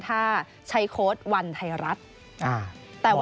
ถ้าใช้โค้ดวันไทยรัฐ